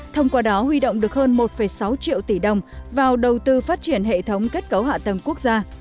thông qua đó huy động được hơn một sáu triệu tỷ đồng vào đầu tư phát triển hệ thống kết cấu hạ tầng quốc gia